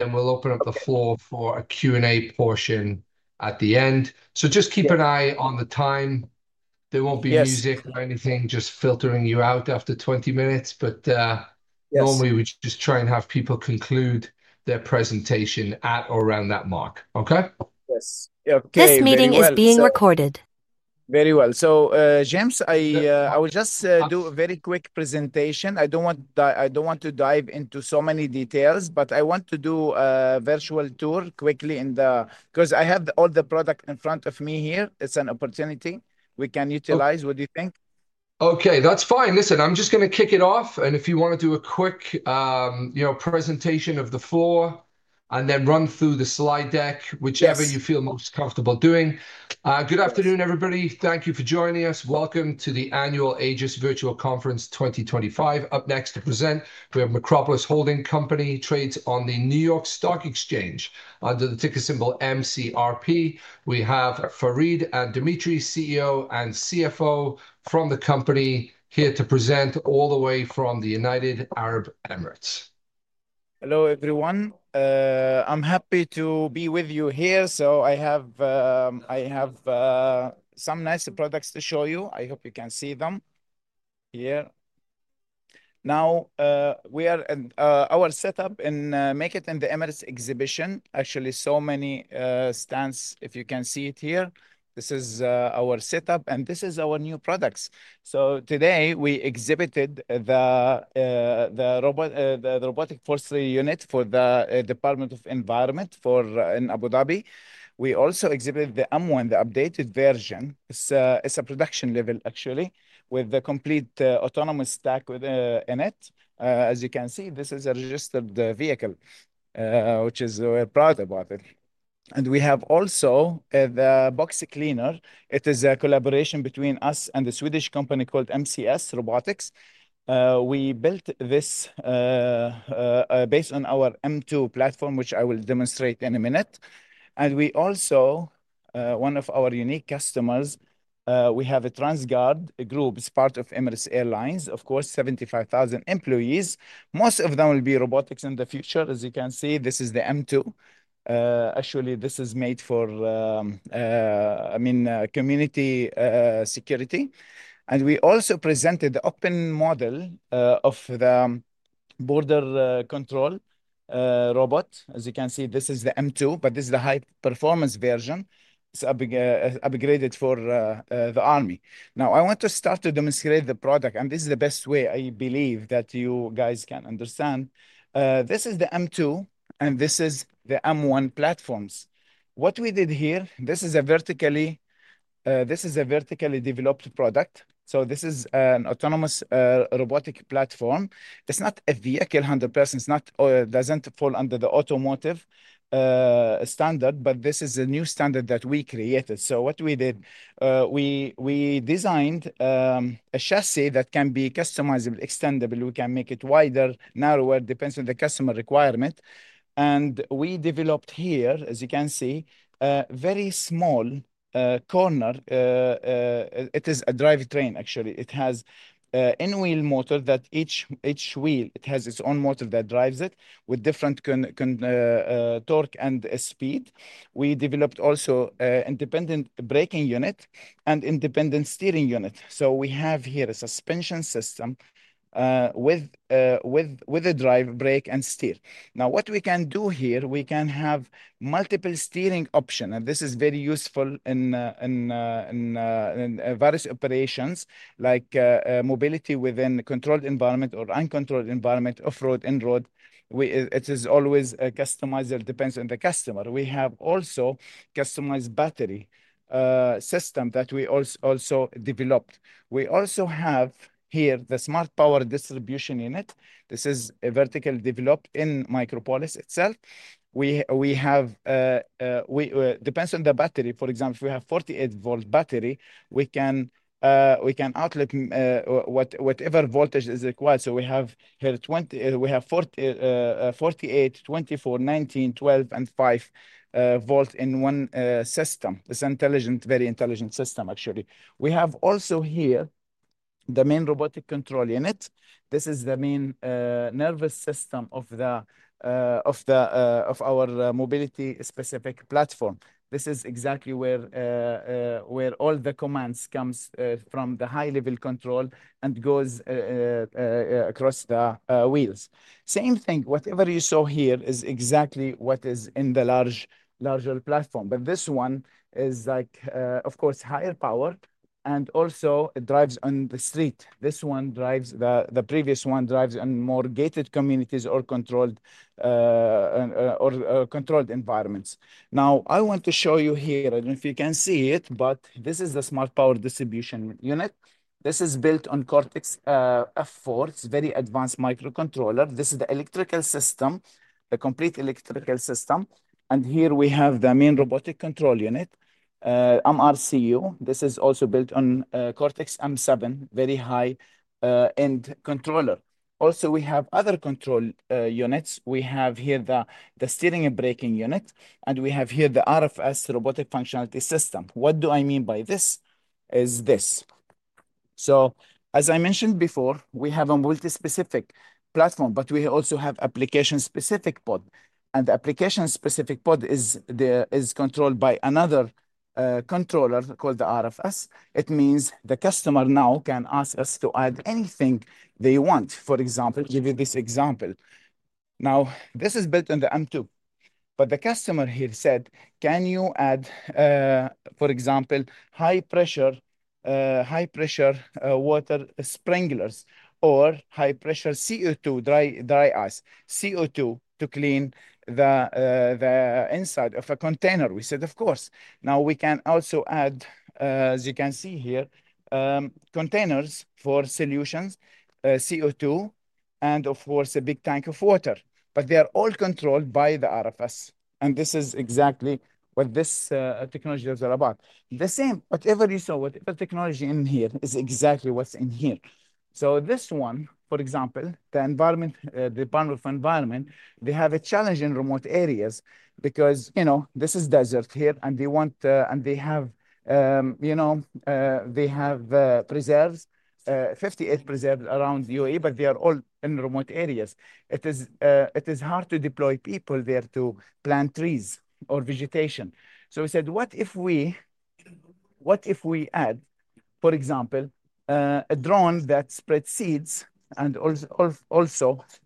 We'll open up the floor for a Q&A portion at the end. Just keep an eye on the time. There won't be music or anything just filtering you out after 20 minutes, but normally we just try and have people conclude their presentation at or around that mark, okay? Yes. This meeting is being recorded. Very well. James, I will just do a very quick presentation. I do not want to dive into so many details, but I want to do a virtual tour quickly in the—because I have all the product in front of me here. It is an opportunity we can utilize. What do you think? Okay, that's fine. Listen, I'm just going to kick it off, and if you want to do a quick presentation of the floor and then run through the slide deck, whichever you feel most comfortable doing. Good afternoon, everybody. Thank you for joining us. Welcome to the annual Aegis Virtual Conference 2025. Up next to present, we have Micropolis Holding Company, trades on the New York Stock Exchange under the ticker symbol MCRP. We have Fareed and Dzmitry, CEO and CFO from the company, here to present all the way from the United Arab Emirates. Hello, everyone. I'm happy to be with you here. I have some nice products to show you. I hope you can see them here. Now, our setup in Make It in the Emirates exhibition—actually, so many stands, if you can see it here. This is our setup, and this is our new products. Today we exhibited the robotic force unit for the Department of Environment in Abu Dhabi. We also exhibited the M1, the updated version. It's a production level, actually, with the complete autonomous stack in it. As you can see, this is a registered vehicle, which we are proud about. We have also the box cleaner. It is a collaboration between us and a Swedish company called MCS Robotics. We built this based on our M2 platform, which I will demonstrate in a minute. We also—one of our unique customers—we have Transguard Group, part of Emirates Airlines, of course, 75,000 employees. Most of them will be robotics in the future. As you can see, this is the M2. Actually, this is made for, I mean, community security. We also presented the open model of the border control robot. As you can see, this is the M2, but this is the high-performance version. It's upgraded for the army. Now, I want to start to demonstrate the product, and this is the best way I believe that you guys can understand. This is the M2, and this is the M1 platforms. What we did here, this is a vertically—this is a vertically developed product. This is an autonomous robotic platform. It's not a vehicle 100%. It doesn't fall under the automotive standard, but this is a new standard that we created. What we did, we designed a chassis that can be customizable, extendable. We can make it wider, narrower, depends on the customer requirement. We developed here, as you can see, a very small corner. It is a drive train, actually. It has an in-wheel motor that each wheel has its own motor that drives it with different torque and speed. We developed also an independent braking unit and an independent steering unit. We have here a suspension system with a drive brake and steer. Now, what we can do here, we can have multiple steering options, and this is very useful in various operations like mobility within a controlled environment or uncontrolled environment, off-road, in-road. It is always customizable, depends on the customer. We have also a customized battery system that we also developed. We also have here the smart power distribution unit. This is a vertical developed in Micropolis itself. We have—it depends on the battery. For example, if we have a 48-volt battery, we can outlet whatever voltage is required. So we have here 20, we have 48 volts, 24 volts, 19 volts, 12 volts, and 5 volts in one system. It's an intelligent, very intelligent system, actually. We have also here the main robotic control unit. This is the main nervous system of our mobility-specific platform. This is exactly where all the commands come from the high-level control and go across the wheels. Same thing, whatever you saw here is exactly what is in the larger platform. This one is like, of course, higher power, and also it drives on the street. This one drives, the previous one drives in more gated communities or controlled environments. Now, I want to show you here, I don't know if you can see it, but this is the smart power distribution unit. This is built on Cortex M4. It's a very advanced microcontroller. This is the electrical system, the complete electrical system. Here we have the main robotic control unit, MRCU. This is also built on Cortex M7, very high-end controller. Also, we have other control units. We have here the steering and braking unit, and we have here the RFS Robotic Functionality System. What do I mean by this? Is this. As I mentioned before, we have a multi-specific platform, but we also have application-specific pod. The application-specific pod is controlled by another controller called the RFS. It means the customer now can ask us to add anything they want. For example, give you this example. Now, this is built on the M2, but the customer here said, "Can you add, for example, high-pressure water sprinklers or high-pressure CO2, dry ice, CO2 to clean the inside of a container?" We said, "Of course." We can also add, as you can see here, containers for solutions, CO2, and a big tank of water. They are all controlled by the RFS. This is exactly what this technology is all about. Whatever you saw, whatever technology in here is exactly what's in here. This one, for example, the environment, the Department of Environment, they have a challenge in remote areas because this is desert here, and they want and they have preserves, 58 preserves around the UAE, but they are all in remote areas. It is hard to deploy people there to plant trees or vegetation. We said, "What if we add, for example, a drone that spreads seeds and also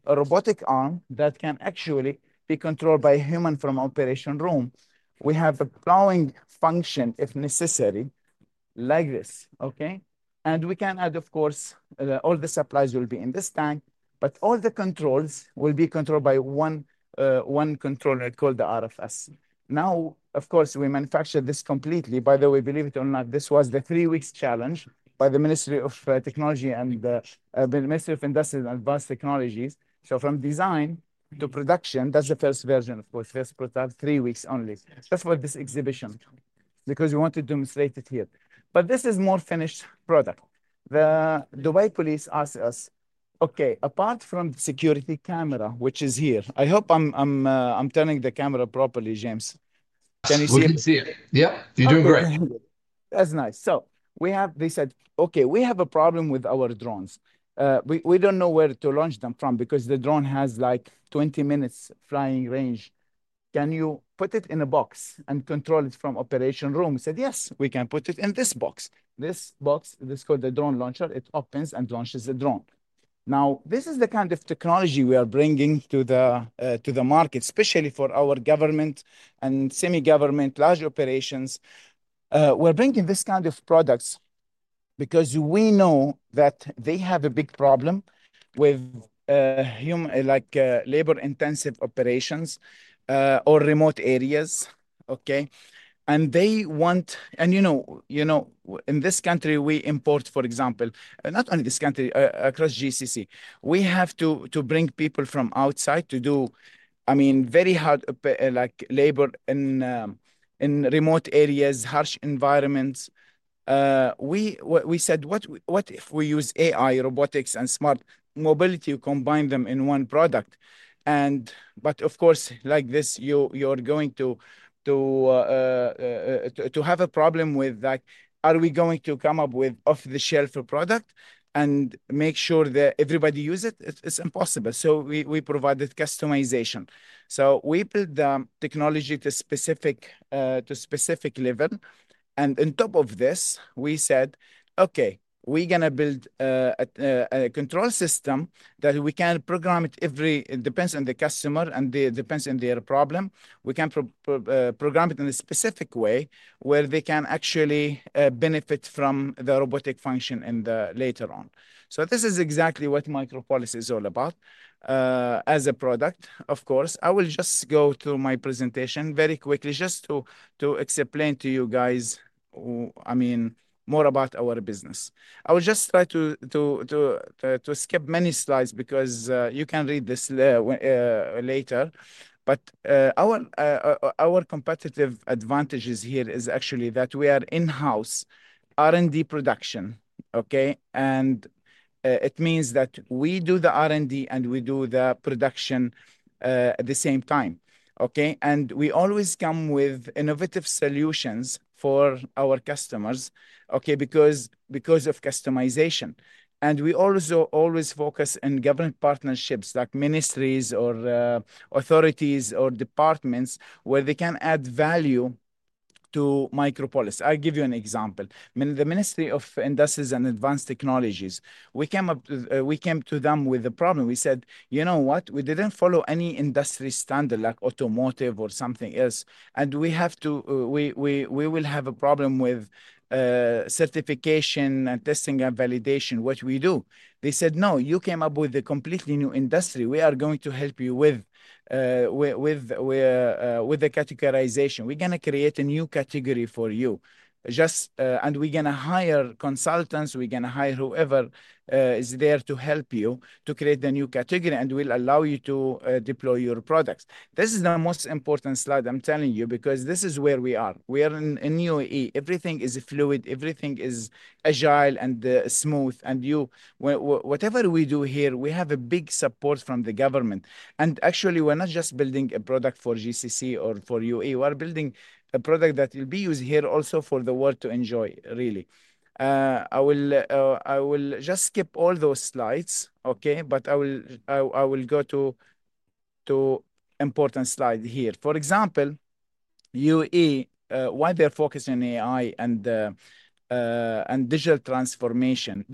a robotic arm that can actually be controlled by a human from the operation room?" We have a plowing function if necessary, like this, okay? We can add, of course, all the supplies will be in this tank, but all the controls will be controlled by one controller called the RFS. Now, of course, we manufacture this completely. By the way, believe it or not, this was the three-week challenge by the Ministry of Technology and the Ministry of Industry and Advanced Technologies. From design to production, that is the first version, of course, first prototype, three weeks only. That is why this exhibition, because we want to demonstrate it here. This is a more finished product. The Dubai Police asked us, "Okay, apart from the security camera, which is here," I hope I'm turning the camera properly, James. Can you see it? We can see it. Yep. You're doing great. That's nice. We have, they said, "Okay, we have a problem with our drones. We don't know where to launch them from because the drone has like 20 minutes flying range. Can you put it in a box and control it from the operation room?" We said, "Yes, we can put it in this box." This box, this is called the drone launcher. It opens and launches the drone. Now, this is the kind of technology we are bringing to the market, especially for our government and semi-government, large operations. We're bringing this kind of products because we know that they have a big problem with labor-intensive operations or remote areas, okay? They want, and you know, in this country, we import, for example, not only this country, across GCC, we have to bring people from outside to do, I mean, very hard labor in remote areas, harsh environments. We said, "What if we use AI, robotics, and smart mobility, combine them in one product?" Of course, like this, you're going to have a problem with that. Are we going to come up with an off-the-shelf product and make sure that everybody uses it? It's impossible. We provided customization. We built the technology to a specific level. On top of this, we said, "Okay, we're going to build a control system that we can program it every it depends on the customer and it depends on their problem. We can program it in a specific way where they can actually benefit from the robotic function later on. This is exactly what Micropolis is all about as a product, of course. I will just go to my presentation very quickly just to explain to you guys, I mean, more about our business. I will just try to skip many slides because you can read this later. Our competitive advantage here is actually that we are in-house R&D production, okay? It means that we do the R&D and we do the production at the same time, okay? We always come with innovative solutions for our customers, okay, because of customization. We also always focus on government partnerships like ministries or authorities or departments where they can add value to Micropolis. I'll give you an example. The Ministry of Industry and Advanced Technologies, we came to them with a problem. We said, "You know what? We didn't follow any industry standard like automotive or something else, and we will have a problem with certification and testing and validation, what we do." They said, "No, you came up with a completely new industry. We are going to help you with the categorization. We're going to create a new category for you. And we're going to hire consultants. We're going to hire whoever is there to help you to create the new category and will allow you to deploy your products." This is the most important slide I'm telling you because this is where we are. We are in UAE. Everything is fluid. Everything is agile and smooth. Whatever we do here, we have a big support from the government. Actually, we're not just building a product for GCC or for UAE. We're building a product that will be used here also for the world to enjoy, really. I will just skip all those slides, okay? I will go to an important slide here. For example, UAE, why they're focusing on AI and digital transformation?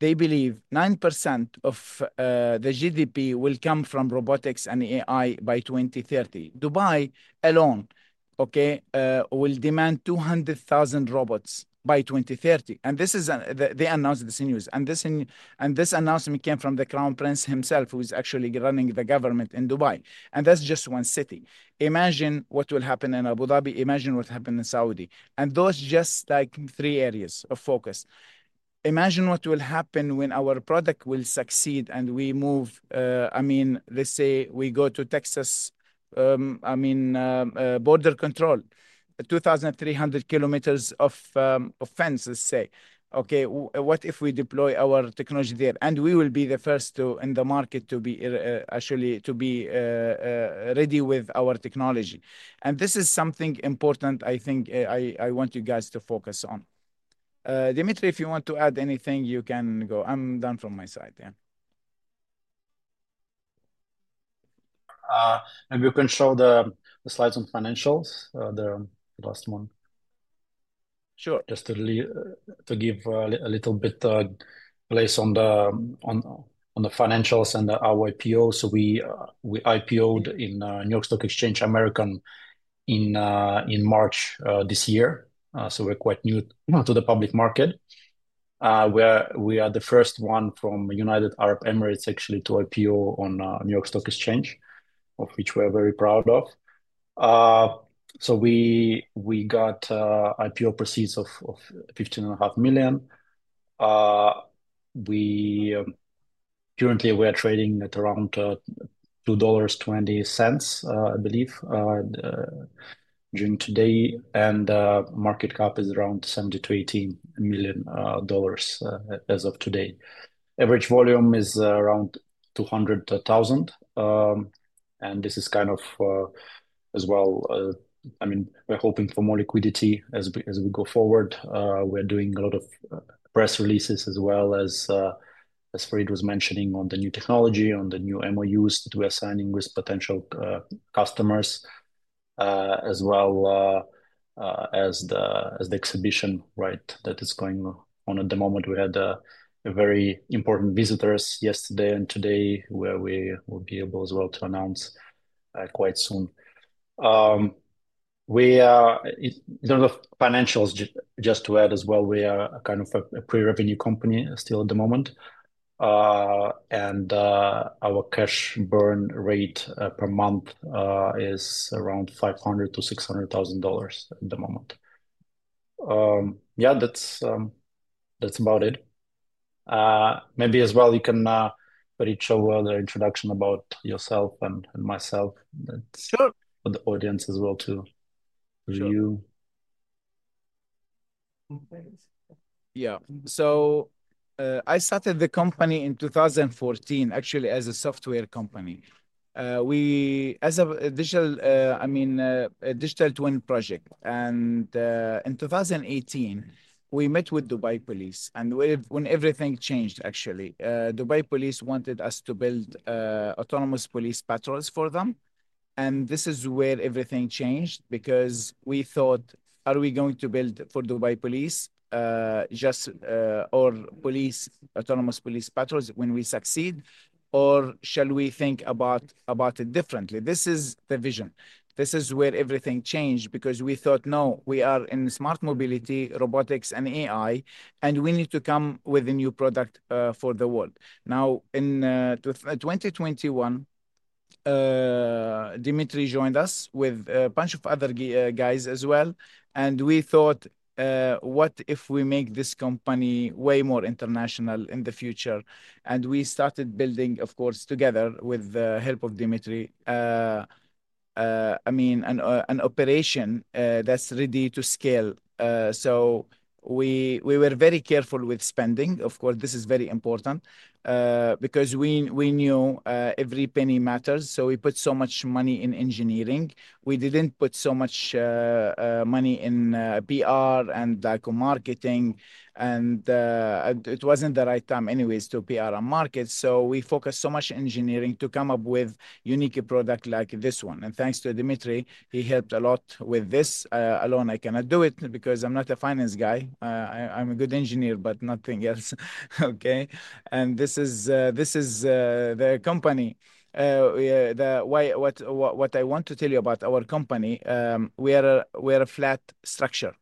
They believe 9% of the GDP will come from robotics and AI by 2030. Dubai alone will demand 200,000 robots by 2030. They announced this news. This announcement came from the Crown Prince himself, who is actually running the government in Dubai. That's just one city. Imagine what will happen in Abu Dhabi. Imagine what happened in Saudi. Those are just like three areas of focus. Imagine what will happen when our product will succeed and we move, I mean, let's say we go to Texas, I mean, border control, 2,300 kilometers of fence, let's say. Okay, what if we deploy our technology there? We will be the first in the market to be actually ready with our technology. This is something important, I think, I want you guys to focus on. Dzmitry, if you want to add anything, you can go. I'm done from my side, yeah. Maybe you can show the slides on financials, the last one. Sure. Just to give a little bit of place on the financials and our IPO. We IPO'd on the New York Stock Exchange American in March this year. We're quite new to the public market. We are the first one from the United Arab Emirates, actually, to IPO on the New York Stock Exchange, of which we're very proud. We got IPO proceeds of $15.5 million. Currently, we are trading at around $2.20, I believe, during today. Market cap is around $70 million-$80 million as of today. Average volume is around $200,000. This is kind of as well, I mean, we're hoping for more liquidity as we go forward. We're doing a lot of press releases as well as Fred was mentioning on the new technology, on the new MoUs that we're signing with potential customers, as well as the exhibition, right, that is going on at the moment. We had very important visitors yesterday and today where we will be able as well to announce quite soon. In terms of financials, just to add as well, we are kind of a pre-revenue company still at the moment. Our cash burn rate per month is around $500,000-$600,000 at the moment. Yeah, that's about it. Maybe as well, you can reach out with an introduction about yourself and myself for the audience as well to review. Yeah. I started the company in 2014, actually, as a software company. We as a digital, I mean, a digital twin project. In 2018, we met with Dubai Police. When everything changed, actually, Dubai Police wanted us to build autonomous police patrols for them. This is where everything changed because we thought, "Are we going to build for Dubai Police just or autonomous police patrols when we succeed, or shall we think about it differently?" This is the vision. This is where everything changed because we thought, "No, we are in smart mobility, robotics, and AI, and we need to come with a new product for the world." Now, in 2021, Dzmitry joined us with a bunch of other guys as well. We thought, "What if we make this company way more international in the future?" We started building, of course, together with the help of Dzmitry, I mean, an operation that's ready to scale. We were very careful with spending. Of course, this is very important because we knew every penny matters. We put so much money in engineering. We did not put so much money in PR and marketing. It was not the right time anyways to PR and market. We focused so much engineering to come up with a unique product like this one. Thanks to Dzmitry, he helped a lot with this. Alone, I cannot do it because I am not a finance guy. I am a good engineer, but nothing else, okay? This is the company. What I want to tell you about our company, we are a flat structure.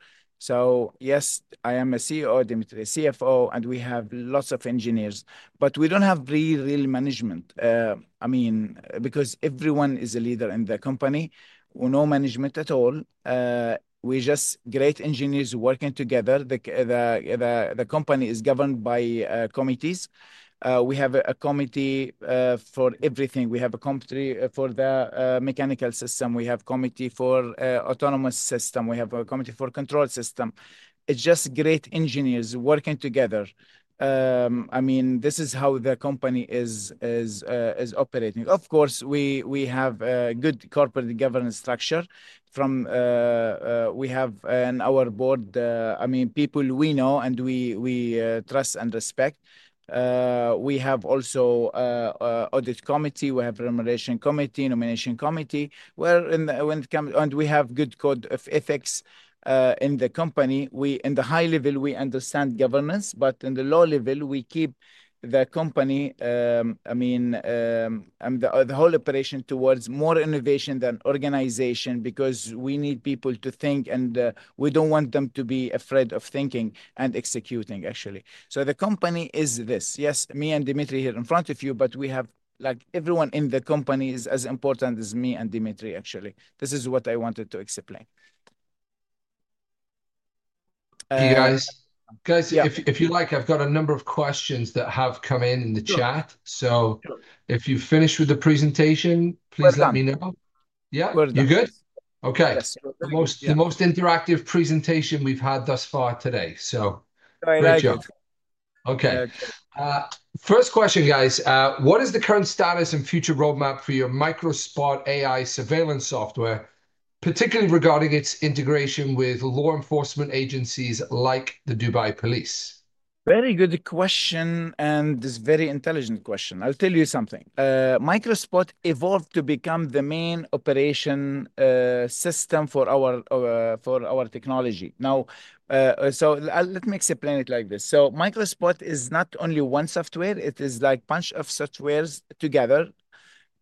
Yes, I am a CEO, Dzmitry, CFO, and we have lots of engineers. We do not have real management, I mean, because everyone is a leader in the company. No management at all. We are just great engineers working together. The company is governed by committees. We have a committee for everything. We have a committee for the mechanical system. We have a committee for the autonomous system. We have a committee for the control system. It is just great engineers working together. I mean, this is how the company is operating. Of course, we have a good corporate governance structure. We have on our board, I mean, people we know and we trust and respect. We have also an audit committee. We have a remuneration committee, nomination committee. We have good code of ethics in the company. In the high level, we understand governance, but in the low level, we keep the company, I mean, and the whole operation towards more innovation than organization because we need people to think, and we do not want them to be afraid of thinking and executing, actually. The company is this. Yes, me and Dzmitry here in front of you, but we have everyone in the company is as important as me and Dzmitry, actually. This is what I wanted to explain. Hey, guys. Guys, if you like, I've got a number of questions that have come in in the chat. So if you finish with the presentation, please let me know. Yeah? You good? Okay. The most interactive presentation we've had thus far today. Great job. Okay. First question, guys. What is the current status and future roadmap for your Microspot AI surveillance software, particularly regarding its integration with law enforcement agencies like the Dubai Police? Very good question and this very intelligent question. I'll tell you something. Microspot evolved to become the main operation system for our technology. Now, let me explain it like this. Microspot is not only one software. It is like a bunch of softwares together.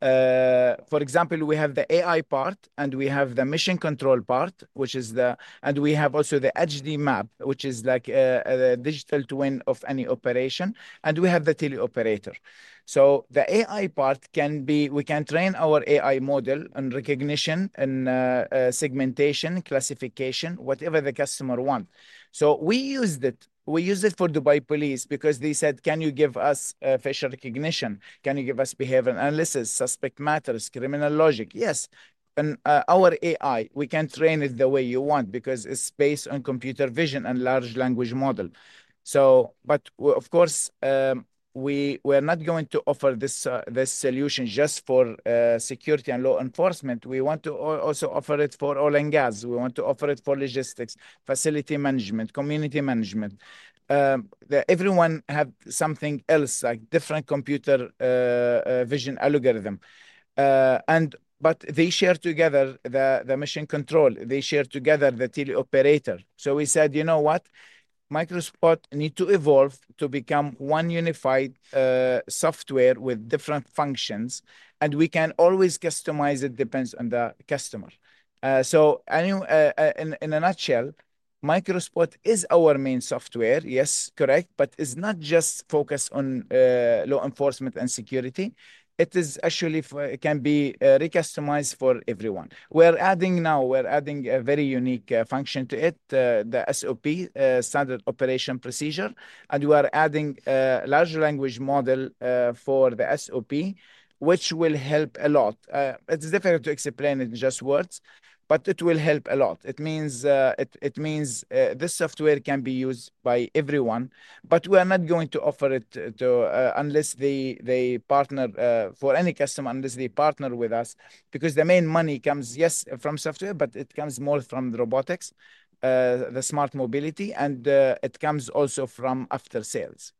For example, we have the AI part, and we have the mission control part, which is the— we have also the HD map, which is like the digital twin of any operation. We have the teleoperator. The AI part can be— we can train our AI model on recognition and segmentation, classification, whatever the customer wants. We used it. We used it for Dubai Police because they said, "Can you give us facial recognition? Can you give us behavioral analysis, suspect matters, criminal logic?" Yes. Our AI, we can train it the way you want because it's based on computer vision and large language model. Of course, we are not going to offer this solution just for security and law enforcement. We want to also offer it for oil and gas. We want to offer it for logistics, facility management, community management. Everyone has something else, like different computer vision algorithm. They share together the mission control. They share together the teleoperator. We said, "You know what? Microspot needs to evolve to become one unified software with different functions." We can always customize it depends on the customer. In a nutshell, Microspot is our main software. Yes, correct. It's not just focused on law enforcement and security. It actually can be recustomized for everyone. We're adding now, we're adding a very unique function to it, the SOP, Standard Operating Procedure. We're adding a large language model for the SOP, which will help a lot. It's difficult to explain it in just words, but it will help a lot. It means this software can be used by everyone, but we are not going to offer it for any customer unless they partner with us because the main money comes, yes, from software, but it comes more from the robotics, the smart mobility, and it comes also from after-sales.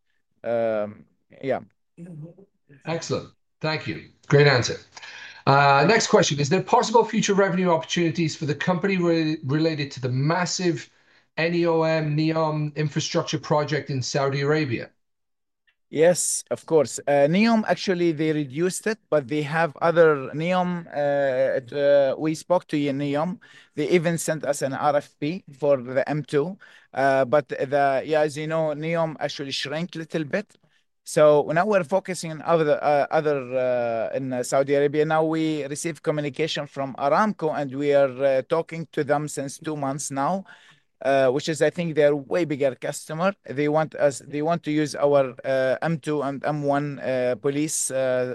Yeah. Excellent. Thank you. Great answer. Next question. Is there possible future revenue opportunities for the company related to the massive NEOM, NEOM infrastructure project in Saudi Arabia? Yes, of course. NEOM, actually, they reduced it, but they have other NEOM. We spoke to NEOM. They even sent us an RFP for the M2. Yeah, as you know, NEOM actually shrank a little bit. Now we're focusing on other in Saudi Arabia. Now we received communication from Aramco, and we are talking to them since two months now, which is, I think, they're a way bigger customer. They want us, they want to use our M2 and M1 police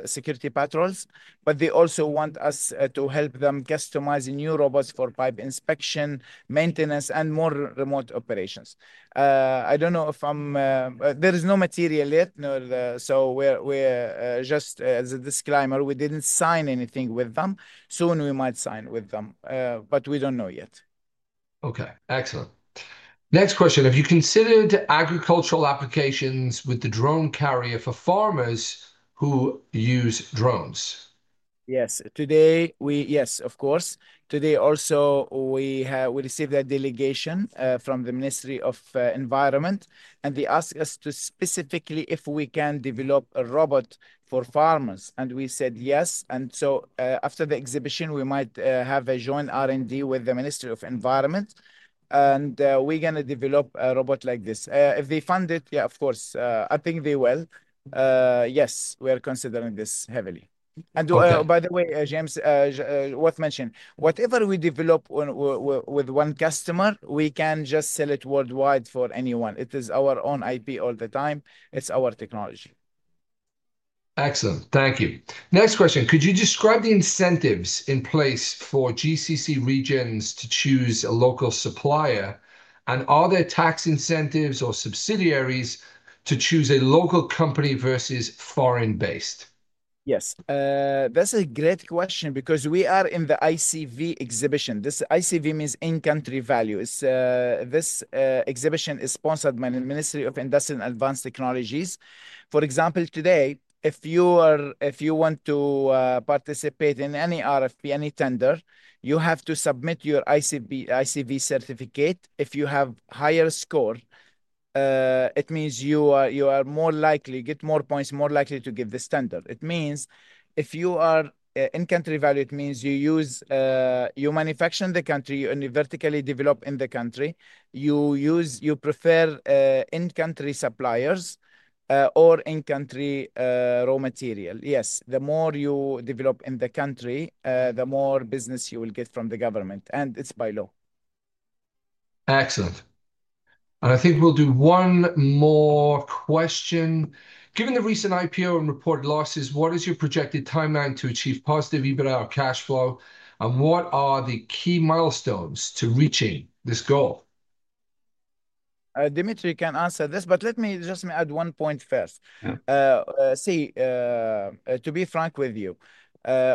security patrols, but they also want us to help them customize new robots for pipe inspection, maintenance, and more remote operations. I don't know if I'm—there is no material yet. Just as a disclaimer, we didn't sign anything with them. Soon we might sign with them, but we don't know yet. Okay. Excellent. Next question. Have you considered agricultural applications with the drone carrier for farmers who use drones? Yes. Today, yes, of course. Today also, we received a delegation from the Ministry of Environment, and they asked us specifically if we can develop a robot for farmers. We said yes. After the exhibition, we might have a joint R&D with the Ministry of Environment, and we are going to develop a robot like this. If they fund it, yeah, of course. I think they will. Yes, we are considering this heavily. By the way, James, worth mentioning, whatever we develop with one customer, we can just sell it worldwide for anyone. It is our own IP all the time. It is our technology. Excellent. Thank you. Next question. Could you describe the incentives in place for GCC regions to choose a local supplier? Are there tax incentives or subsidies to choose a local company versus foreign-based? Yes. That's a great question because we are in the ICV exhibition. This ICV means in-country value. This exhibition is sponsored by the Ministry of Industry and Advanced Technologies. For example, today, if you want to participate in any RFP, any tender, you have to submit your ICV certificate. If you have a higher score, it means you are more likely to get more points, more likely to give this tender. It means if you are in-country value, it means you manufacture in the country, you vertically develop in the country, you prefer in-country suppliers or in-country raw material. Yes, the more you develop in the country, the more business you will get from the government. It is by law. Excellent. I think we'll do one more question. Given the recent IPO and reported losses, what is your projected timeline to achieve positive EBITDA or cash flow? What are the key milestones to reaching this goal? Dzmitry can answer this, but let me just add one point first. See, to be frank with you,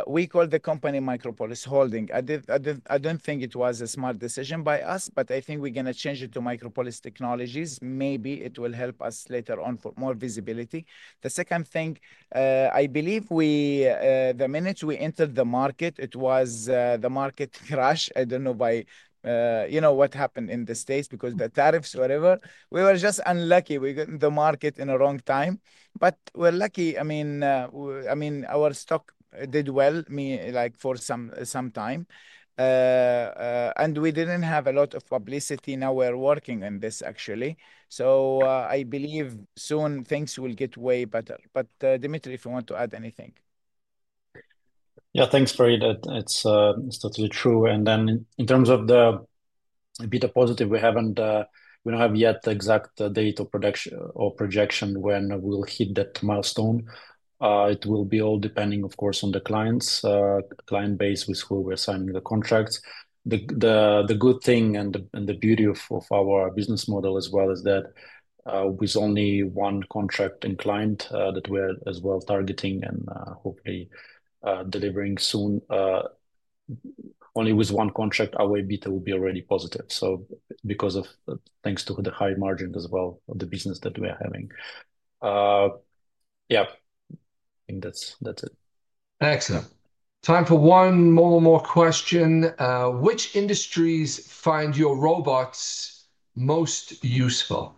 we call the company Micropolis Holding. I do not think it was a smart decision by us, but I think we are going to change it to Micropolis Technologies. Maybe it will help us later on for more visibility. The second thing, I believe the minute we entered the market, it was the market crash. I do not know what happened in the States because the tariffs, whatever. We were just unlucky. We got in the market at the wrong time. We are lucky. I mean, our stock did well for some time. And we did not have a lot of publicity. Now we are working on this, actually. I believe soon things will get way better. Dzmitry, if you want to add anything. Yeah, thanks, Fareed. It's totally true. In terms of the EBITDA positive, we don't have yet the exact date or projection when we'll hit that milestone. It will be all depending, of course, on the clients, client base with who we're signing the contracts. The good thing and the beauty of our business model as well is that with only one contract and client that we're as well targeting and hopefully delivering soon, only with one contract, our EBITDA will be already positive. Thanks to the high margins as well of the business that we are having. Yeah, I think that's it. Excellent. Time for one more question. Which industries find your robots most useful?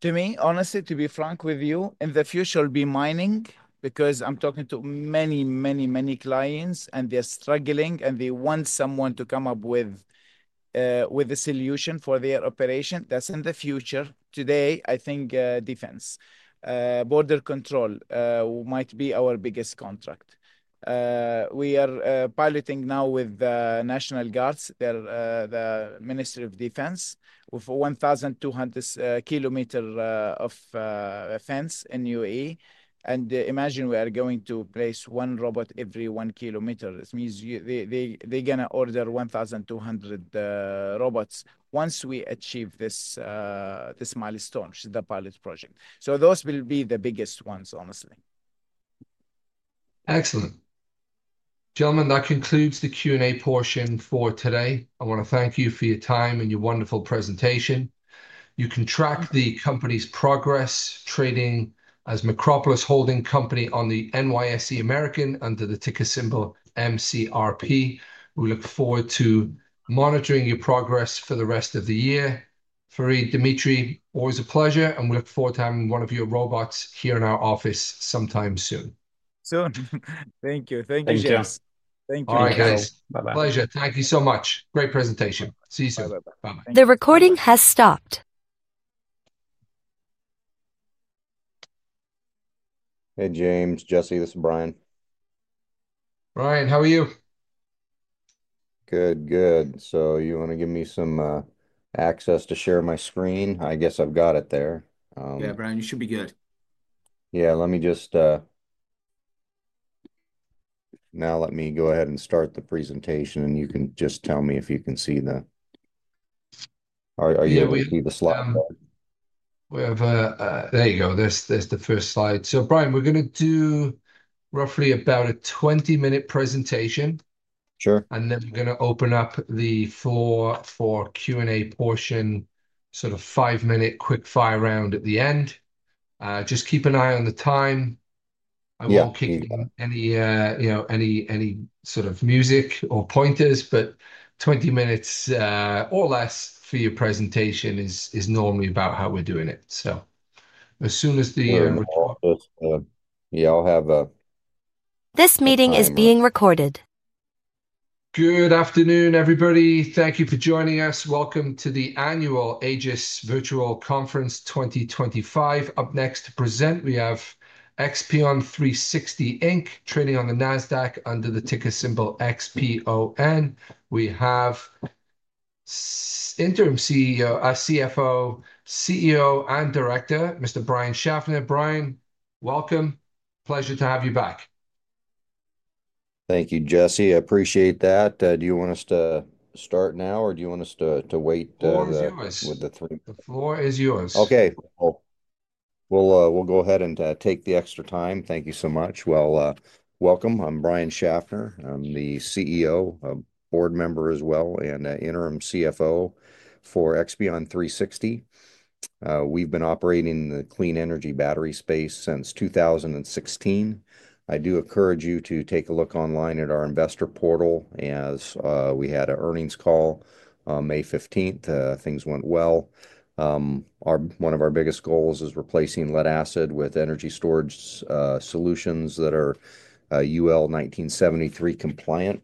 To me, honestly, to be frank with you, in the future will be mining because I'm talking to many, many clients, and they're struggling, and they want someone to come up with a solution for their operation. That's in the future. Today, I think defense, border control might be our biggest contract. We are piloting now with the National Guards, the Ministry of Defense, with 1,200 kilometers of fence in UAE. Imagine we are going to place one robot every one kilometer. It means they're going to order 1,200 robots once we achieve this milestone, which is the pilot project. Those will be the biggest ones, honestly. Excellent. Gentlemen, that concludes the Q&A portion for today. I want to thank you for your time and your wonderful presentation. You can track the company's progress trading as Micropolis Holding Company on the NYSE American under the ticker symbol MCRP. We look forward to monitoring your progress for the rest of the year. Fareed, Dzmitry, always a pleasure. We look forward to having one of your robots here in our office sometime soon. Soon. Thank you. Thank you, James. Thank you, guys. Bye-bye. Pleasure. Thank you so much. Great presentation. See you soon. Bye-bye. The recording has stopped. Hey, James. Jesse, this is Brian. Brian, how are you? Good, good. You want to give me some access to share my screen? I guess I've got it there. Yeah, Brian, you should be good. Yeah, let me just now go ahead and start the presentation, and you can just tell me if you can see the—are you able to see the slide? There you go. There's the first slide. Brian, we're going to do roughly about a 20-minute presentation. Sure. We're going to open up the floor for Q&A portion, sort of five-minute quick-fire round at the end. Just keep an eye on the time. I won't kick you out with any sort of music or pointers, but 20 minutes or less for your presentation is normally about how we're doing it. As soon as the— Yeah, I'll have a— This meeting is being recorded. Good afternoon, everybody. Thank you for joining us. Welcome to the annual Aegis Virtual Conference 2025. Up next to present, we have Expion360 Inc, trading on the Nasdaq under the ticker symbol XPON. We have Interim CFO, CEO, and Director, Mr. Brian Schaffner. Brian, welcome. Pleasure to have you back. Thank you, Jesse. I appreciate that. Do you want us to start now, or do you want us to wait? The floor is yours. The floor is yours. Okay. We'll go ahead and take the extra time. Thank you so much. Welcome. I'm Brian Schaffner. I'm the CEO, a board member as well, and interim CFO for Expion360. We've been operating in the clean energy battery space since 2016. I do encourage you to take a look online at our investor portal as we had an earnings call on May 15th. Things went well. One of our biggest goals is replacing lead acid with energy storage solutions that are UL 1973 compliant.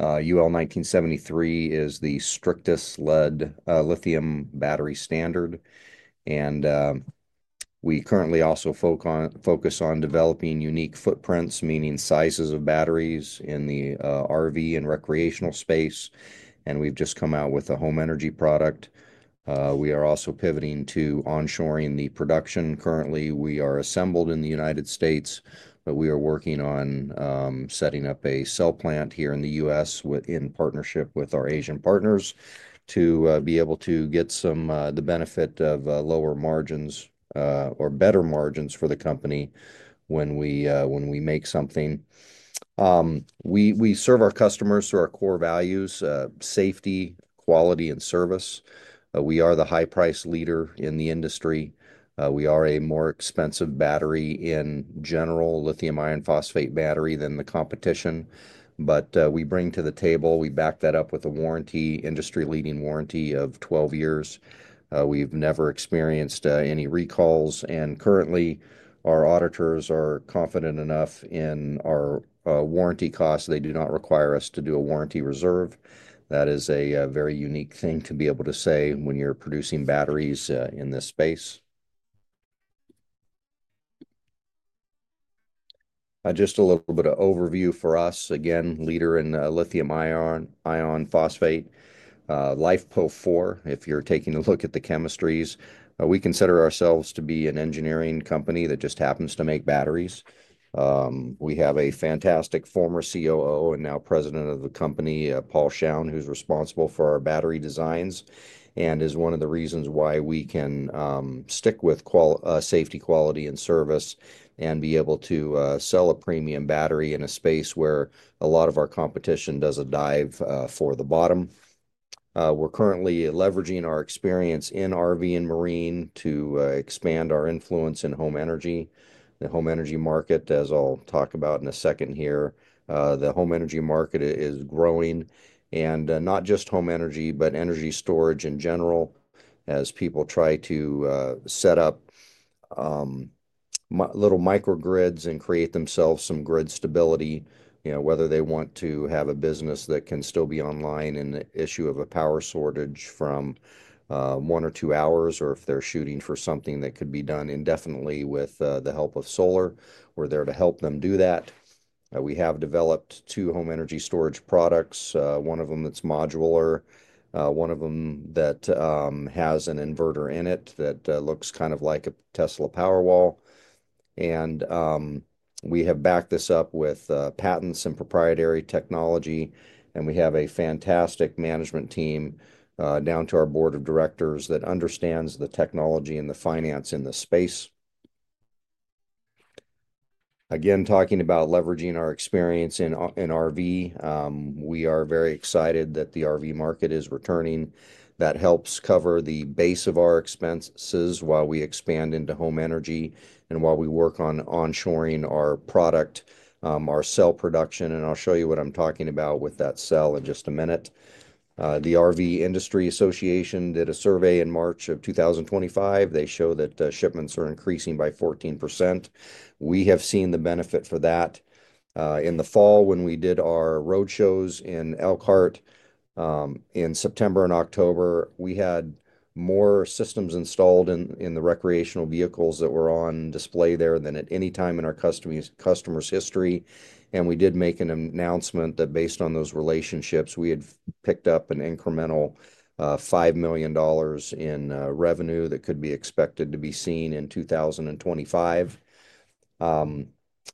UL 1973 is the strictest lithium battery standard. We currently also focus on developing unique footprints, meaning sizes of batteries in the RV and recreational space. We've just come out with a home energy product. We are also pivoting to onshoring the production. Currently, we are assembled in the United States, but we are working on setting up a cell plant here in the U.S. in partnership with our Asian partners to be able to get the benefit of lower margins or better margins for the company when we make something. We serve our customers through our core values: safety, quality, and service. We are the high-priced leader in the industry. We are a more expensive battery in general, lithium iron phosphate battery than the competition. We bring to the table, we back that up with a warranty, industry-leading warranty of 12 years. We have never experienced any recalls. Currently, our auditors are confident enough in our warranty costs. They do not require us to do a warranty reserve. That is a very unique thing to be able to say when you are producing batteries in this space. Just a little bit of overview for us. Again, leader in lithium iron phosphate, LiFePO4, if you're taking a look at the chemistries. We consider ourselves to be an engineering company that just happens to make batteries. We have a fantastic former COO and now President of the company, Paul Shoun, who's responsible for our battery designs and is one of the reasons why we can stick with safety, quality, and service and be able to sell a premium battery in a space where a lot of our competition does a dive for the bottom. We're currently leveraging our experience in RV and marine to expand our influence in home energy. The home energy market, as I'll talk about in a second here, the home energy market is growing. Not just home energy, but energy storage in general, as people try to set up little microgrids and create themselves some grid stability, whether they want to have a business that can still be online in the issue of a power shortage from one or two hours or if they're shooting for something that could be done indefinitely with the help of solar. We're there to help them do that. We have developed two home energy storage products. One of them that's modular. One of them that has an inverter in it that looks kind of like a Tesla Powerwall. We have backed this up with patents and proprietary technology. We have a fantastic management team down to our board of directors that understands the technology and the finance in the space. Again, talking about leveraging our experience in RV, we are very excited that the RV market is returning. That helps cover the base of our expenses while we expand into home energy and while we work on onshoring our product, our cell production. I'll show you what I'm talking about with that cell in just a minute. The RV Industry Association did a survey in March of 2025. They show that shipments are increasing by 14%. We have seen the benefit for that. In the fall, when we did our road shows in Elkhart in September and October, we had more systems installed in the recreational vehicles that were on display there than at any time in our customers' history. We did make an announcement that based on those relationships, we had picked up an incremental $5 million in revenue that could be expected to be seen in 2025.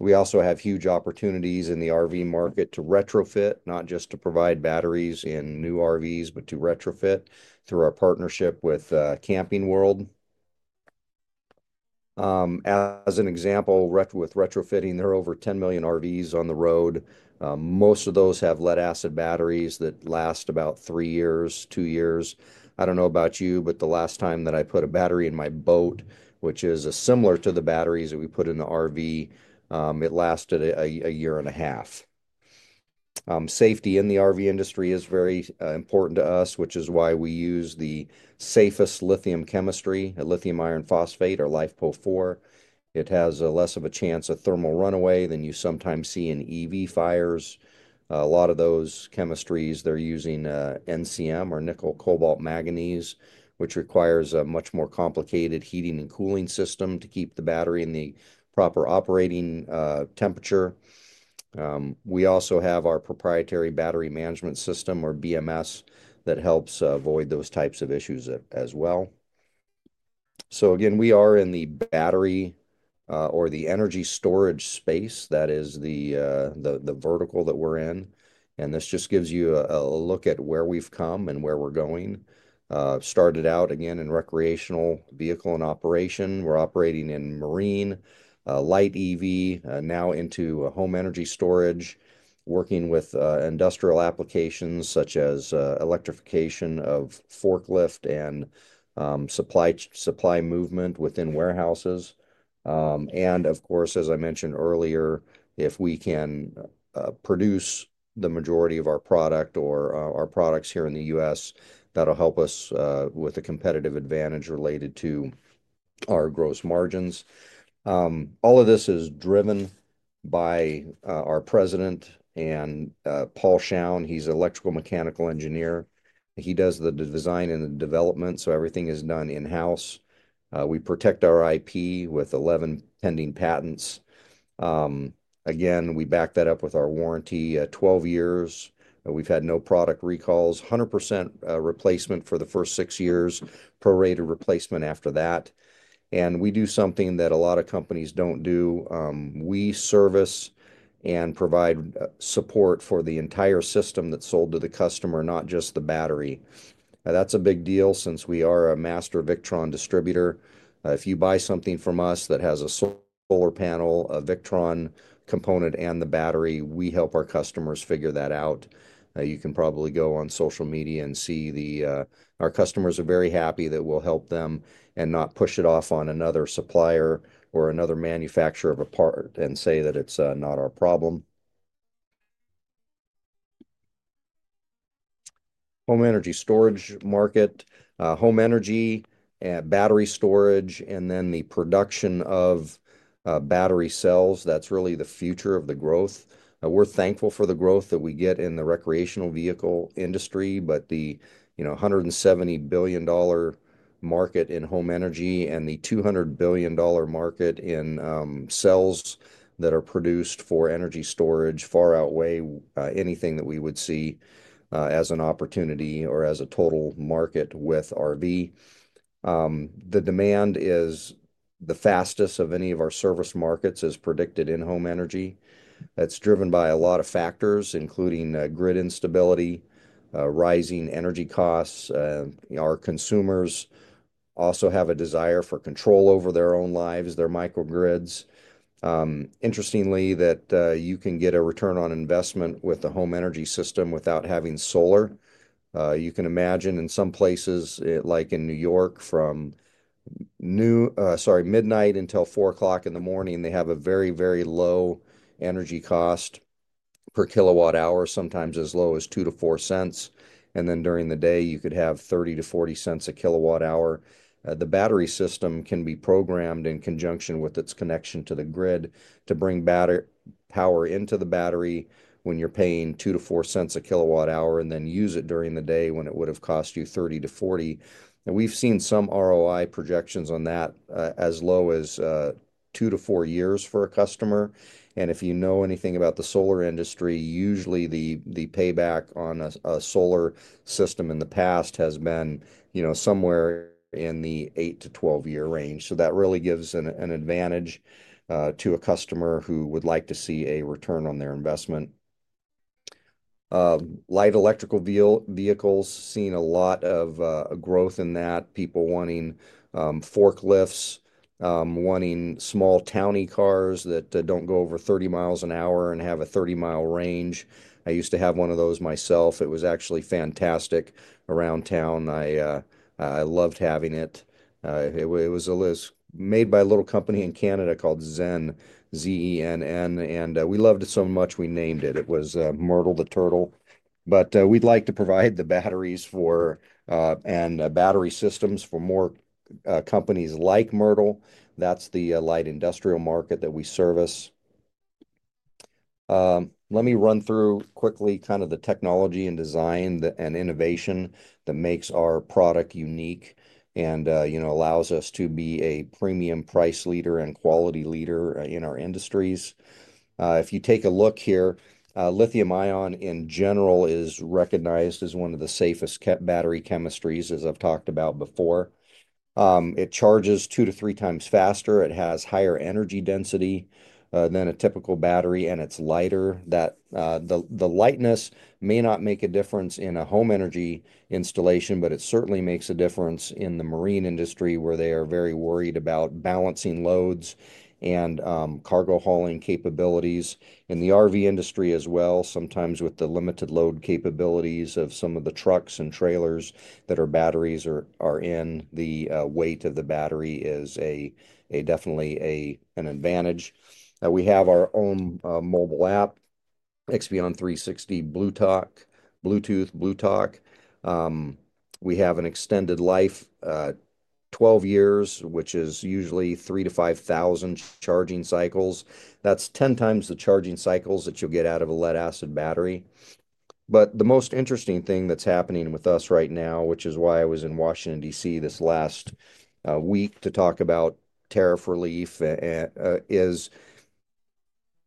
We also have huge opportunities in the RV market to retrofit, not just to provide batteries in new RVs, but to retrofit through our partnership with Camping World. As an example, with retrofitting, there are over 10 million RVs on the road. Most of those have lead acid batteries that last about three years, two years. I do not know about you, but the last time that I put a battery in my boat, which is similar to the batteries that we put in the RV, it lasted a year and a half. Safety in the RV industry is very important to us, which is why we use the safest lithium chemistry, lithium iron phosphate, or LiFePO4. It has less of a chance of thermal runaway than you sometimes see in EV fires. A lot of those chemistries, they're using NCM or nickel cobalt manganese, which requires a much more complicated heating and cooling system to keep the battery in the proper operating temperature. We also have our proprietary battery management system or BMS that helps avoid those types of issues as well. We are in the battery or the energy storage space. That is the vertical that we're in. This just gives you a look at where we've come and where we're going. Started out in recreational vehicle and operation. We're operating in marine, light EV, now into home energy storage, working with industrial applications such as electrification of forklift and supply movement within warehouses. Of course, as I mentioned earlier, if we can produce the majority of our product or our products here in the U.S., that'll help us with a competitive advantage related to our gross margins. All of this is driven by our President and Paul Shoun. He's an electrical mechanical engineer. He does the design and the development, so everything is done in-house. We protect our IP with 11 pending patents. Again, we back that up with our warranty, 12 years. We've had no product recalls, 100% replacement for the first six years, prorated replacement after that. We do something that a lot of companies don't do. We service and provide support for the entire system that's sold to the customer, not just the battery. That's a big deal since we are a master Victron distributor. If you buy something from us that has a solar panel, a Victron component, and the battery, we help our customers figure that out. You can probably go on social media and see our customers are very happy that we'll help them and not push it off on another supplier or another manufacturer of a part and say that it's not our problem. Home energy storage market, home energy, battery storage, and then the production of battery cells. That's really the future of the growth. We're thankful for the growth that we get in the recreational vehicle industry, but the $170 billion market in home energy and the $200 billion market in cells that are produced for energy storage far outweigh anything that we would see as an opportunity or as a total market with RV. The demand is the fastest of any of our service markets as predicted in home energy. It's driven by a lot of factors, including grid instability, rising energy costs. Our consumers also have a desire for control over their own lives, their microgrids. Interestingly, that you can get a return on investment with the home energy system without having solar. You can imagine in some places, like in New York, from midnight until 4:00 in the morning, they have a very, very low energy cost per kilowatt hour, sometimes as low as $0.02-$0.04. During the day, you could have $0.30-$0.40 a kilowatt hour. The battery system can be programmed in conjunction with its connection to the grid to bring power into the battery when you're paying $0.02-$0.04 a kilowatt hour and then use it during the day when it would have cost you $0.30-$0.40. We've seen some ROI projections on that as low as two to four years for a customer. If you know anything about the solar industry, usually the payback on a solar system in the past has been somewhere in the eight to twelve-year range. That really gives an advantage to a customer who would like to see a return on their investment. Light electrical vehicles, seeing a lot of growth in that, people wanting forklifts, wanting small townie cars that don't go over 30 miles an hour and have a 30-mile range. I used to have one of those myself. It was actually fantastic around town. I loved having it. It was made by a little company in Canada called Zenn, Z-E-N-N. We loved it so much we named it. It was Myrtle the Turtle. We would like to provide the batteries and battery systems for more companies like Myrtle. That is the light industrial market that we service. Let me run through quickly kind of the technology and design and innovation that makes our product unique and allows us to be a premium price leader and quality leader in our industries. If you take a look here, lithium ion in general is recognized as one of the safest battery chemistries, as I have talked about before. It charges two to three times faster. It has higher energy density than a typical battery, and it is lighter. The lightness may not make a difference in a home energy installation, but it certainly makes a difference in the marine industry where they are very worried about balancing loads and cargo hauling capabilities. In the RV industry as well, sometimes with the limited load capabilities of some of the trucks and trailers that our batteries are in, the weight of the battery is definitely an advantage. We have our own mobile app, Expion360 Bluetooth. We have an extended life, 12 years, which is usually 3,000-5,000 charging cycles. That's 10 times the charging cycles that you'll get out of a lead acid battery. The most interesting thing that's happening with us right now, which is why I was in Washington, DC, this last week to talk about tariff relief, is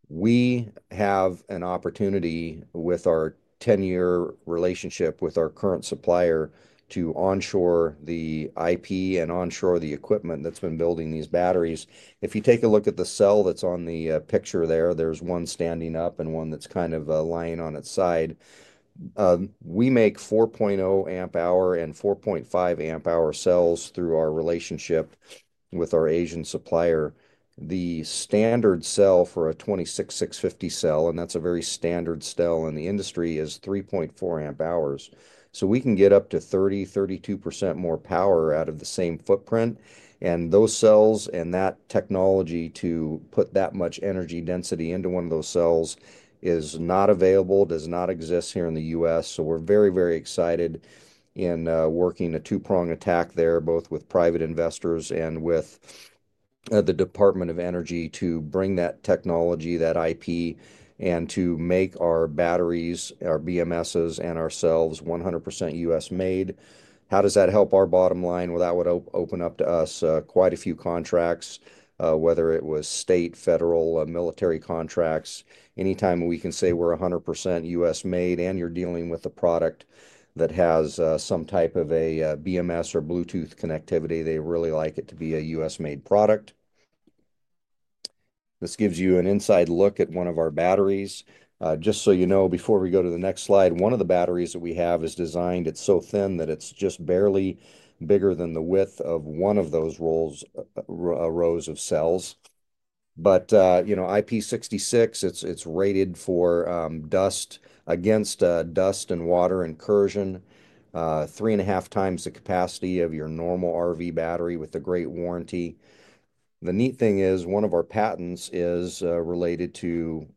we have an opportunity with our 10-year relationship with our current supplier to onshore the IP and onshore the equipment that's been building these batteries. If you take a look at the cell that's on the picture there, there's one standing up and one that's kind of lying on its side. We make 4.0 amp hour and 4.5 amp hour cells through our relationship with our Asian supplier. The standard cell for a 26650 cell, and that's a very standard cell in the industry, is 3.4 amp hours. We can get up to 30%-32% more power out of the same footprint. Those cells and that technology to put that much energy density into one of those cells is not available, does not exist here in the U.S. We are very, very excited in working a two-prong attack there, both with private investors and with the Department of Energy to bring that technology, that IP, and to make our batteries, our BMSes, and ourselves 100% U.S.-made. How does that help our bottom line? That would open up to us quite a few contracts, whether it was state, federal, military contracts. Anytime we can say we are 100% U.S.-made and you are dealing with a product that has some type of a BMS or Bluetooth connectivity, they really like it to be a U.S.-made product. This gives you an inside look at one of our batteries. Just so you know, before we go to the next slide, one of the batteries that we have is designed, it's so thin that it's just barely bigger than the width of one of those rows of cells. IP66, it's rated for dust and water incursion, three and a half times the capacity of your normal RV battery with a great warranty. The neat thing is one of our patents is related to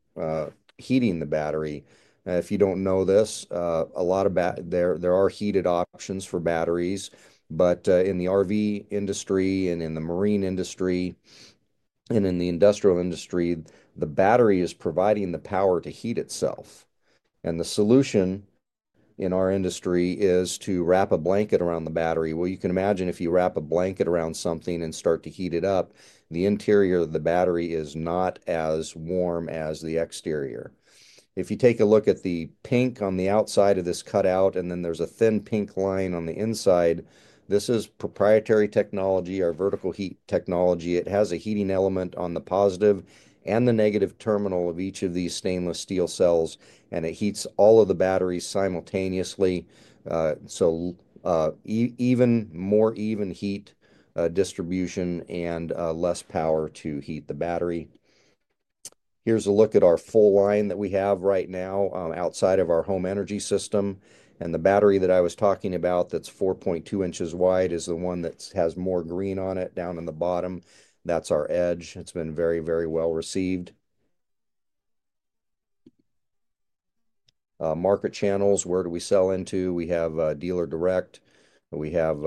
heating the battery. If you don't know this, a lot of there are heated options for batteries. In the RV industry and in the marine industry and in the industrial industry, the battery is providing the power to heat itself. The solution in our industry is to wrap a blanket around the battery. You can imagine if you wrap a blanket around something and start to heat it up, the interior of the battery is not as warm as the exterior. If you take a look at the pink on the outside of this cutout and then there is a thin pink line on the inside, this is proprietary technology, our vertical heat technology. It has a heating element on the positive and the negative terminal of each of these stainless steel cells, and it heats all of the batteries simultaneously. Even more even heat distribution and less power to heat the battery. Here is a look at our full line that we have right now outside of our home energy system. The battery that I was talking about that is 4.2 inches wide is the one that has more green on it down in the bottom. That is our Edge. It's been very, very well received. Market channels, where do we sell into? We have dealer direct. We have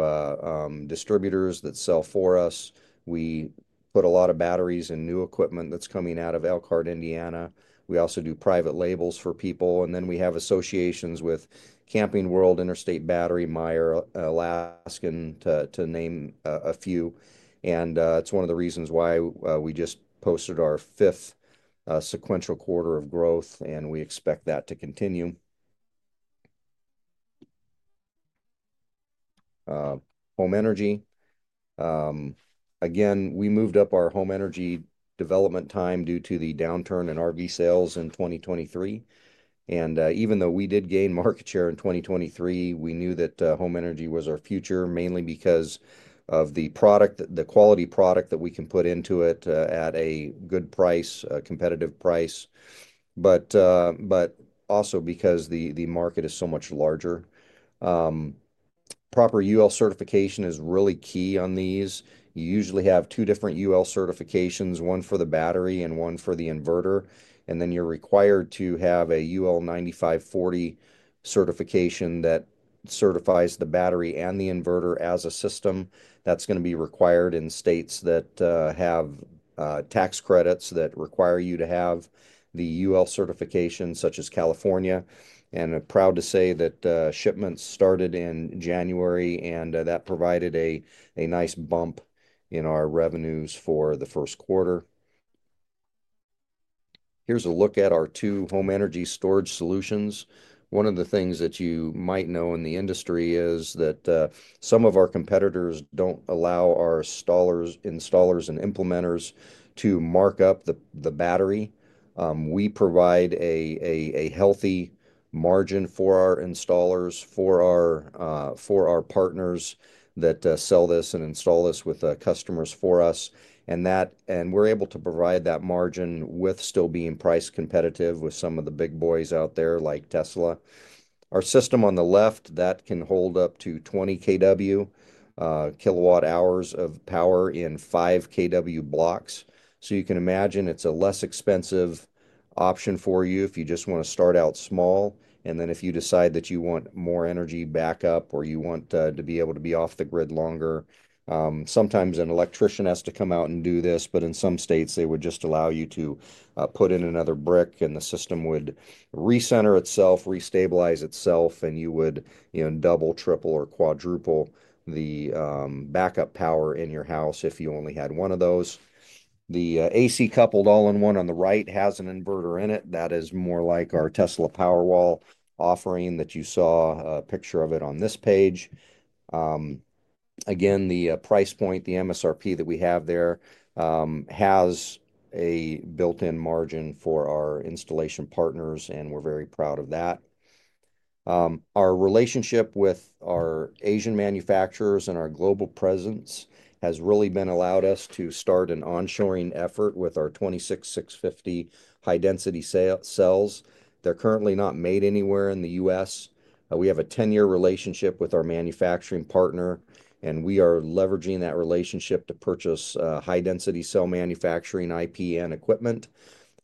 distributors that sell for us. We put a lot of batteries in new equipment that's coming out of Elkhart, Indiana. We also do private labels for people. We have associations with Camping World, Interstate Battery, Meyer, Alaskan, to name a few. It's one of the reasons why we just posted our fifth sequential quarter of growth, and we expect that to continue. Home energy. Again, we moved up our home energy development time due to the downturn in RV sales in 2023. Even though we did gain market share in 2023, we knew that home energy was our future mainly because of the quality product that we can put into it at a good price, competitive price, but also because the market is so much larger. Proper UL certification is really key on these. You usually have two different UL certifications, one for the battery and one for the inverter. You are required to have a UL 9540 certification that certifies the battery and the inverter as a system. That is going to be required in states that have tax credits that require you to have the UL certification, such as California. I am proud to say that shipments started in January, and that provided a nice bump in our revenues for the first quarter. Here is a look at our two home energy storage solutions. One of the things that you might know in the industry is that some of our competitors do not allow our installers and implementers to mark up the battery. We provide a healthy margin for our installers, for our partners that sell this and install this with customers for us. We're able to provide that margin with still being price competitive with some of the big boys out there like Tesla. Our system on the left can hold up to 20 kWh, kilowatt-hours of power in 5 kW blocks. You can imagine it's a less expensive option for you if you just want to start out small. If you decide that you want more energy backup or you want to be able to be off the grid longer, sometimes an electrician has to come out and do this, but in some states, they would just allow you to put in another brick, and the system would recenter itself, restabilize itself, and you would double, triple, or quadruple the backup power in your house if you only had one of those. The AC coupled all-in-one on the right has an inverter in it. That is more like our Tesla Powerwall offering that you saw a picture of it on this page. Again, the price point, the MSRP that we have there has a built-in margin for our installation partners, and we're very proud of that. Our relationship with our Asian manufacturers and our global presence has really been allowed us to start an onshoring effort with our 26650 high-density cells. They're currently not made anywhere in the U.S. We have a 10-year relationship with our manufacturing partner, and we are leveraging that relationship to purchase high-density cell manufacturing IP and equipment,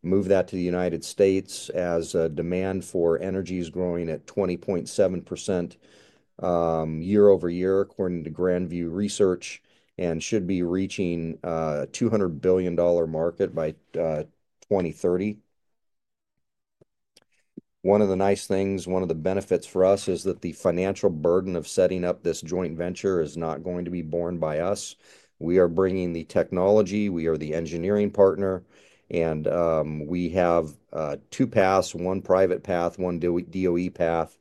move that to the United States as demand for energy is growing at 20.7% year-over-year, according to Grand View Research, and should be reaching a $200 billion market by 2030. One of the nice things, one of the benefits for us, is that the financial burden of setting up this joint venture is not going to be borne by us. We are bringing the technology. We are the engineering partner. We have two paths, one private path, one DOE path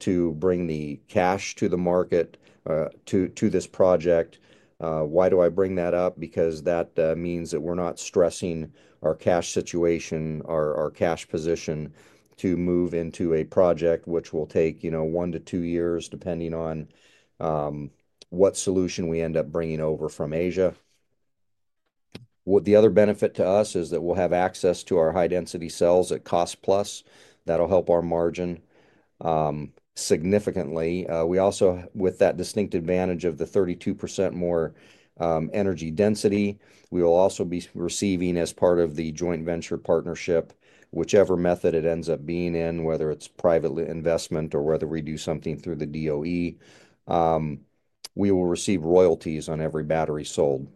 to bring the cash to the market to this project. Why do I bring that up? Because that means that we're not stressing our cash situation, our cash position to move into a project which will take one to two years, depending on what solution we end up bringing over from Asia. The other benefit to us is that we'll have access to our high-density cells at cost plus. That'll help our margin significantly. We also, with that distinct advantage of the 32% more energy density, we will also be receiving as part of the joint venture partnership, whichever method it ends up being in, whether it's private investment or whether we do something through the DOE, we will receive royalties on every battery sold.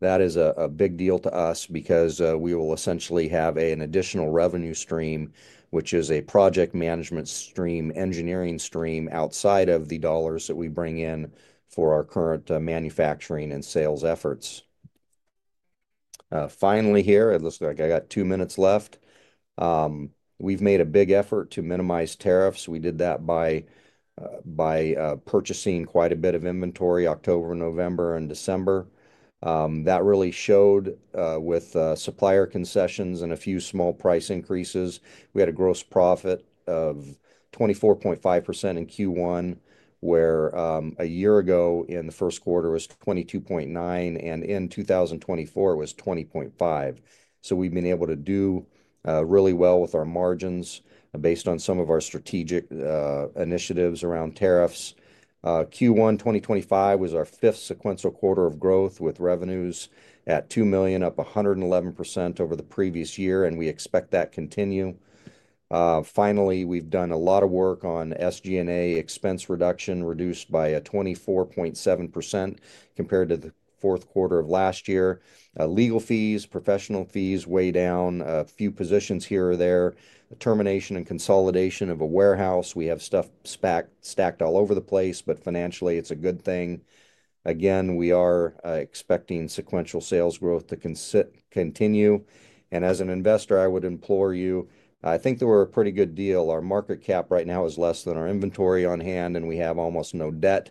That is a big deal to us because we will essentially have an additional revenue stream, which is a project management stream, engineering stream outside of the dollars that we bring in for our current manufacturing and sales efforts. Finally here, it looks like I got two minutes left. We've made a big effort to minimize tariffs. We did that by purchasing quite a bit of inventory October, November, and December. That really showed with supplier concessions and a few small price increases. We had a gross profit of 24.5% in Q1, where a year ago in the first quarter was 22.9%, and in 2024, it was 20.5%. We have been able to do really well with our margins based on some of our strategic initiatives around tariffs. Q1 2025 was our fifth sequential quarter of growth with revenues at $2 million, up 111% over the previous year, and we expect that to continue. Finally, we have done a lot of work on SG&A expense reduction, reduced by 24.7% compared to the fourth quarter of last year. Legal fees, professional fees way down, a few positions here or there, termination and consolidation of a warehouse. We have stuff stacked all over the place, but financially, it is a good thing. Again, we are expecting sequential sales growth to continue. As an investor, I would implore you, I think that we are a pretty good deal. Our market cap right now is less than our inventory on hand, and we have almost no debt.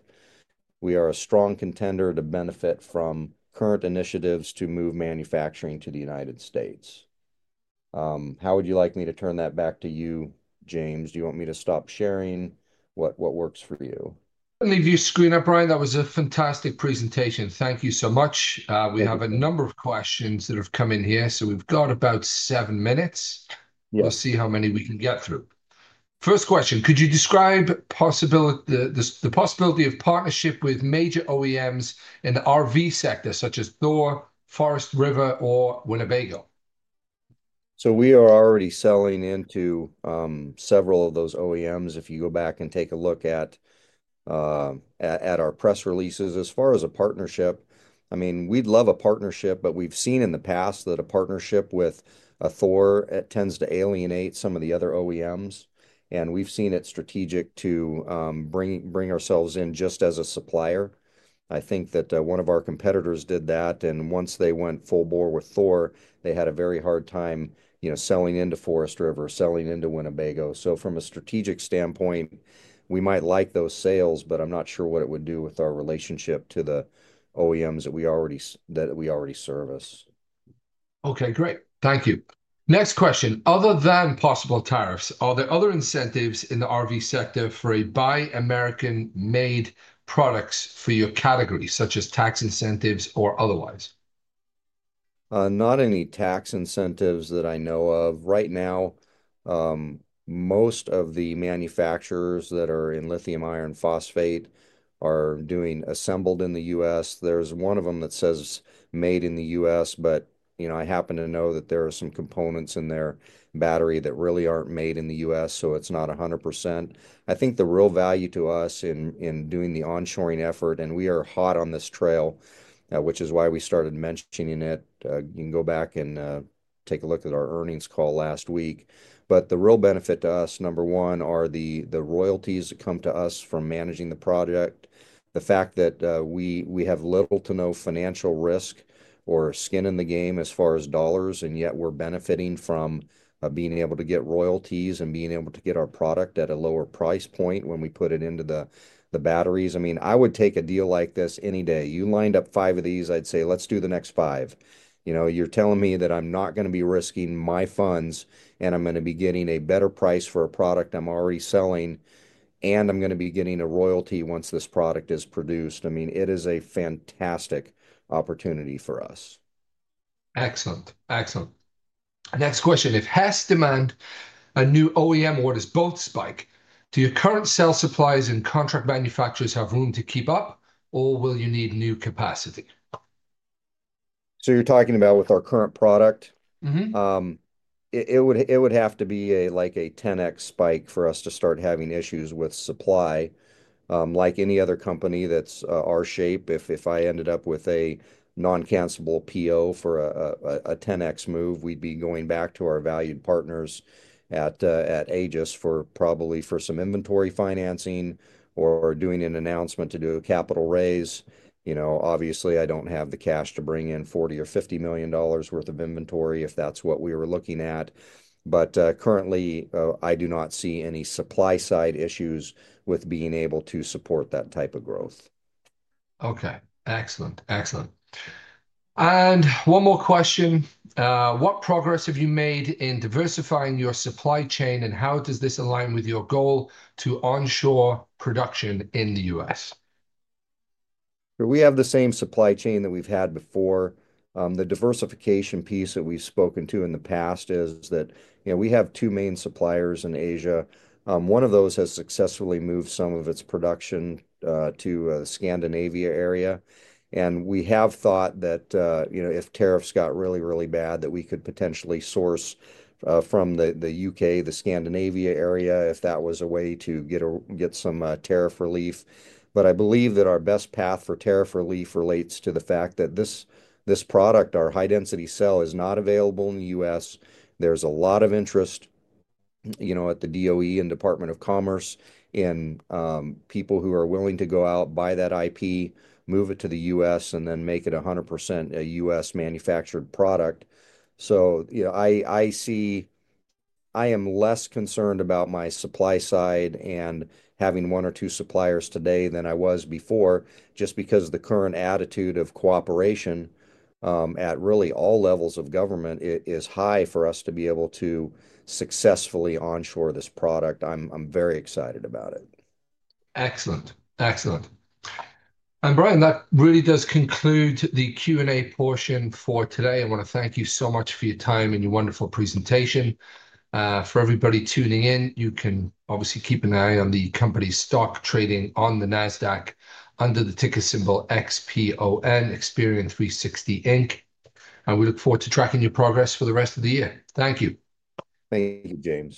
We are a strong contender to benefit from current initiatives to move manufacturing to the United States. How would you like me to turn that back to you, James? Do you want me to stop sharing what works for you? Let me give you a screen up, Brian. That was a fantastic presentation. Thank you so much. We have a number of questions that have come in here. We have about seven minutes. We will see how many we can get through. First question, could you describe the possibility of partnership with major OEMs in the RV sector, such as THOR, Forest River, or Winnebago? We are already selling into several of those OEMs. If you go back and take a look at our press releases, as far as a partnership, I mean, we'd love a partnership, but we've seen in the past that a partnership with a THOR tends to alienate some of the other OEMs. We've seen it strategic to bring ourselves in just as a supplier. I think that one of our competitors did that. Once they went full bore with THOR, they had a very hard time selling into Forest River, selling into Winnebago. From a strategic standpoint, we might like those sales, but I'm not sure what it would do with our relationship to the OEMs that we already service. Okay, great. Thank you. Next question. Other than possible tariffs, are there other incentives in the RV sector for buy American-made products for your category, such as tax incentives or otherwise? Not any tax incentives that I know of. Right now, most of the manufacturers that are in lithium iron phosphate are doing assembled in the U.S. There's one of them that says made in the U.S., but I happen to know that there are some components in their battery that really aren't made in the U.S., so it's not 100%. I think the real value to us in doing the onshoring effort, and we are hot on this trail, which is why we started mentioning it. You can go back and take a look at our earnings call last week. The real benefit to us, number one, are the royalties that come to us from managing the project, the fact that we have little to no financial risk or skin in the game as far as dollars, and yet we're benefiting from being able to get royalties and being able to get our product at a lower price point when we put it into the batteries. I mean, I would take a deal like this any day. You lined up five of these, I'd say, "Let's do the next five." You're telling me that I'm not going to be risking my funds, and I'm going to be getting a better price for a product I'm already selling, and I'm going to be getting a royalty once this product is produced. I mean, it is a fantastic opportunity for us. Excellent. Excellent. Next question. If HESS demand and new OEM orders both spike, do your current cell supplies and contract manufacturers have room to keep up, or will you need new capacity? You're talking about with our current product? Mm-hmm. It would have to be a 10x spike for us to start having issues with supply. Like any other company that's our shape, if I ended up with a non-cancelable PO for a 10x move, we'd be going back to our valued partners at Aegis for probably some inventory financing or doing an announcement to do a capital raise. Obviously, I don't have the cash to bring in $40 million or $50 million worth of inventory if that's what we were looking at. Currently, I do not see any supply-side issues with being able to support that type of growth. Okay. Excellent. Excellent. One more question. What progress have you made in diversifying your supply chain, and how does this align with your goal to onshore production in the U.S.? We have the same supply chain that we've had before. The diversification piece that we've spoken to in the past is that we have two main suppliers in Asia. One of those has successfully moved some of its production to the Scandinavia area. We have thought that if tariffs got really, really bad, we could potentially source from the U.K., the Scandinavia area, if that was a way to get some tariff relief. I believe that our best path for tariff relief relates to the fact that this product, our high-density cell, is not available in the U.S. There is a lot of interest at the DOE and Department of Commerce in people who are willing to go out, buy that IP, move it to the U.S., and then make it 100% a U.S.-manufactured product. I am less concerned about my supply side and having one or two suppliers today than I was before, just because the current attitude of cooperation at really all levels of government is high for us to be able to successfully onshore this product. I am very excited about it. Excellent. Excellent. Brian, that really does conclude the Q&A portion for today. I want to thank you so much for your time and your wonderful presentation. For everybody tuning in, you can obviously keep an eye on the company's stock trading on the Nasdaq under the ticker symbol XPON, Expion360 Inc. We look forward to tracking your progress for the rest of the year. Thank you. Thank you, James.